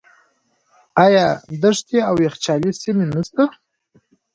آیا دښتې او یخچالي سیمې نشته؟